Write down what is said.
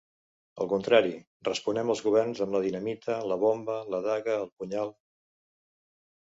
Al contrari, responem als governs amb la dinamita, la bomba, la daga, el punyal.